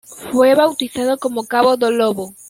Fue bautizado como "Cabo do Lobo".